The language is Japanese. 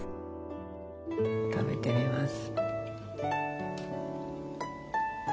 食べてみます。